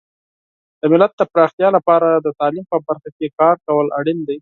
د ملت د پراختیا لپاره د تعلیم په برخه کې کار کول اړین دي.